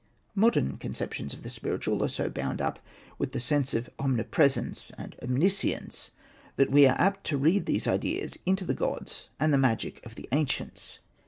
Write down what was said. Modern conceptions of the spiritual are so bound up with the sense of omnipresence and omniscience that we are apt to read those ideas into the gods and the magic of the ancients.